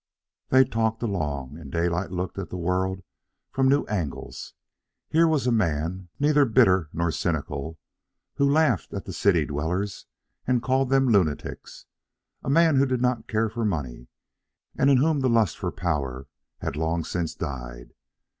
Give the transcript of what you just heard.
They talked along, and Daylight looked at the world from new angles. Here was a man, neither bitter nor cynical, who laughed at the city dwellers and called them lunatics; a man who did not care for money, and in whom the lust for power had long since died.